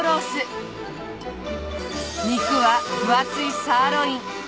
肉は分厚いサーロイン。